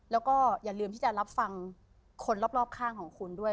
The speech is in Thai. แล้วก็อย่าลืมที่จะรับฟังคนรอบข้างของคุณด้วย